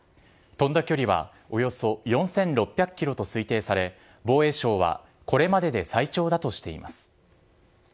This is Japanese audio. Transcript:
飛んだ距離はおよそ４６００キロと推定され、防衛省は、これまでで最長だとしています。